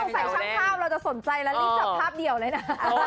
แบบเราจะสนใจแล้วรีบจับภาพเดี่ยวเลยนะ